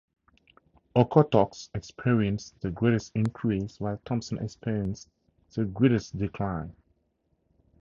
Okotoks experienced the greatest increase while Thompson experienced the greatest decline.